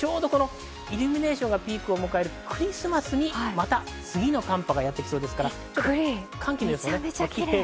イルミネーションがピークを迎えるクリスマスに、また次の寒波がやってきそうです。